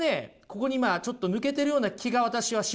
ここにちょっと抜けてるような気が私はします。